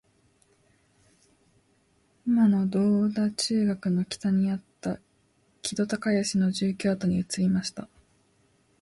いまの銅駝中学の北にあった木戸孝允の住居跡に移りました